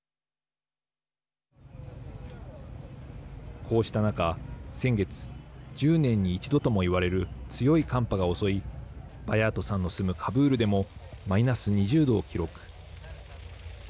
こうした中、先月１０年に一度とも言われる強い寒波が襲いバヤートさんの住むカブールでもマイナス２０度を記録。